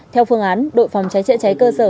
theo phương án đội phòng cháy chữa cháy cơ sở